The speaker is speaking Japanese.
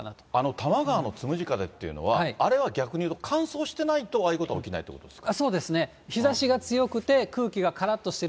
多摩川のつむじ風っていうのは、あれは逆にいうと、乾燥してないとああいうことが起きないということですか？